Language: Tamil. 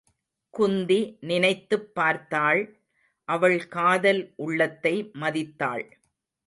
குந்தி நினைத்துப் பார்த்தாள் அவள் காதல் உள்ளத்தை மதித்தாள்.